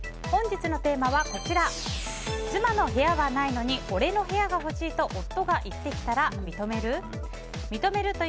本日のテーマは妻の部屋はないのに俺の部屋が欲しいと夫が言ってきたら認める？